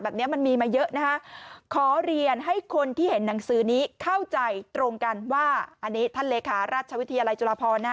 พอเรียนให้คนที่เห็นหนังสือนี้เข้าใจตรงกันว่าอันนี้ท่านเลครรัฐชวิธีอาลัยจุฬาภอลนะ